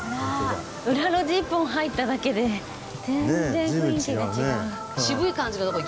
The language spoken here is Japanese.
裏路地一本入っただけで全然雰囲気が違う。